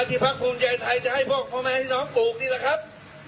ที่พระคุมเยยไทยจะให้พวกพ่อแม่ที่น้องปลูกนี่แหละครับ